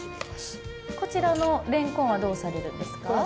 こちらのれんこんはどうされるんですか？